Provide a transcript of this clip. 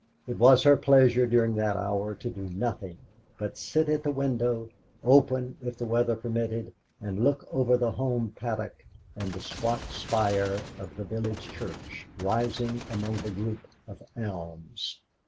It was her pleasure during that hour to do nothing but sit at the window, open if the weather permitted, and look over the home paddock and the squat spire of the village church rising among a group of elms.